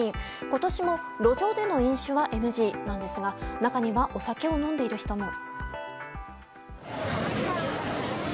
今年も路上での飲酒はＮＧですが中にはお酒を飲んでいる人も。